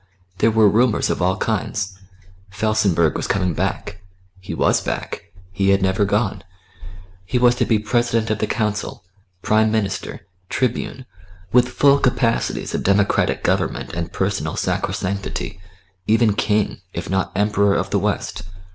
There were rumours of all kinds: Felsenburgh was coming back; he was back; he had never gone. He was to be President of the Council, Prime Minister, Tribune, with full capacities of democratic government and personal sacro sanctity, even King if not Emperor of the West.